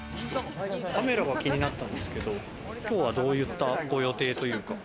カメラが気になったんですけど、今日はどういったご予定というか。